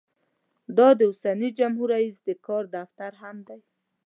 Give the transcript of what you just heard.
دا د اوسني جمهور رییس د کار دفتر هم دی.